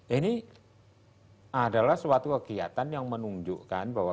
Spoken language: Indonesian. ini adalah suatu kegiatan yang menunjukkan bahwa